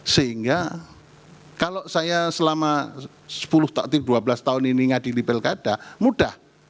sehingga kalau saya selama sepuluh taktik dua belas tahun ini ngadili pilkada mudah